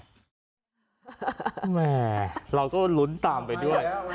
แหมเราก็ลุ้นตามไปด้วย